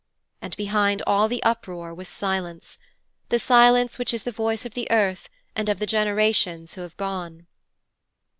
And behind all the uproar was silence the silence which is the voice of the earth and of the generations who have gone.